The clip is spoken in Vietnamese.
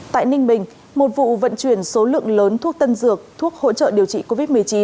tại ninh bình một vụ vận chuyển số lượng lớn thuốc tân dược thuốc hỗ trợ điều trị covid một mươi chín